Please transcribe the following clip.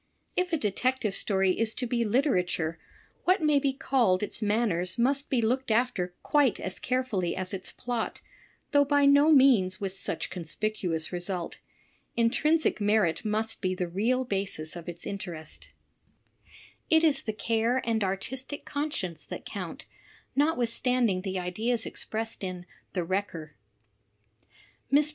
If a Detective Story is to be literature, what may be called its manners must be looked after quite as carefully as its plot, though by no means with such con spicuous result. Intrinsic merit must be the real basis of its interest. \' ^It is the care and artistic conscience that count, notwith standing the ideas expressed in The Wrecker." Mr.